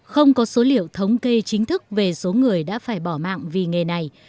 không có số liệu thống kê chính thức về số người đã phải bỏ mạng vì nghề này